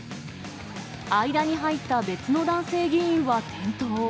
間に入った別の男性議員は転倒。